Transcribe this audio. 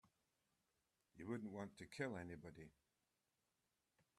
You wouldn't want to kill anybody.